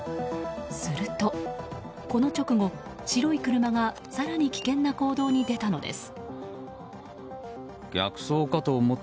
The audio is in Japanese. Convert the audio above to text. するとこの直後、白い車が更に危険な行動に出たのです。